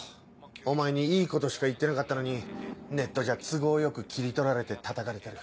お前にいいことしか言ってなかったのにネットじゃ都合よく切り取られてたたかれてる。